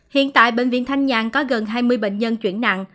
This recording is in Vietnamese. hiện tại bệnh viện thanh nhàn có gần hai mươi bệnh nhân chuyển nặng